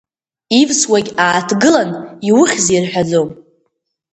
Ивсуагь ааҭгылан иухьзеи рҳәаӡом.